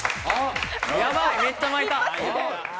やばい、めっちゃ巻いた。